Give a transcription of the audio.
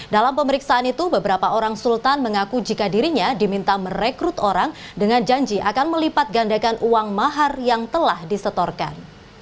dalam pemeriksaan itu beberapa orang sultan mengaku jika dirinya diminta merekrut orang dengan janji akan melipat gandakan uang mahar yang telah disetorkan